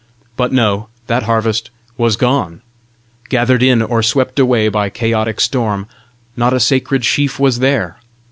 But no; that harvest was gone! Gathered in, or swept away by chaotic storm, not a sacred sheaf was there!